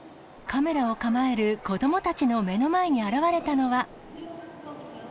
カメラを構える子どもたちの目の前に現れたのは。